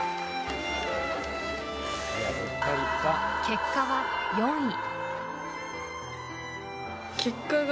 結果は、４位。